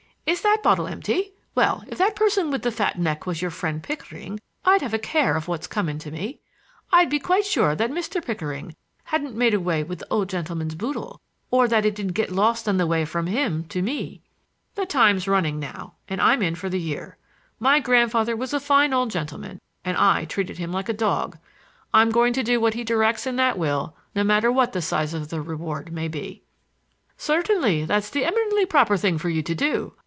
Is that bottle empty? Well, if that person with the fat neck was your friend Pickering, I'd have a care of what's coming to me. I'd be quite sure that Mr. Pickering hadn't made away with the old gentleman's boodle, or that it didn't get lost on the way from him to me." "The time's running now, and I'm in for the year. My grandfather was a fine old gentleman, and I treated him like a dog. I'm going to do what he directs in that will no matter what the size of the reward may be." "Certainly; that's the eminently proper thing for you to do.